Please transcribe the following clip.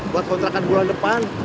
buat kontrakan bulan depan